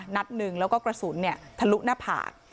นัดหนึ่งแล้วก็กระสุนทะลุหน้าผาก